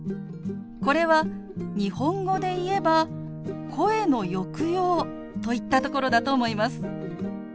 これは日本語でいえば声の抑揚といったところだと思います。